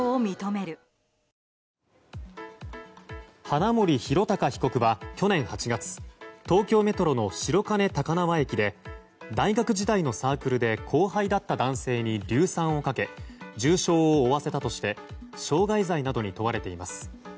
花森弘卓被告は去年８月東京メトロの白金高輪駅で大学時代のサークルで後輩だった男性に硫酸をかけ重傷を負わせたとして傷害罪などに問われています。